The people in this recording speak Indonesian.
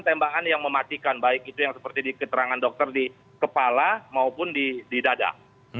tembakan yang mematikan baik itu yang seperti di keterangan dokter di kepala maupun di dada